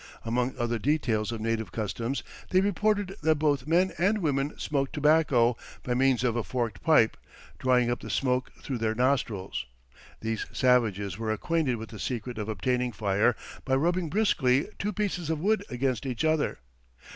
Among other details of native customs, they reported that both men and women smoked tobacco by means of a forked pipe, drawing up the smoke through their nostrils. These savages were acquainted with the secret of obtaining fire by rubbing briskly two pieces of wood against each other.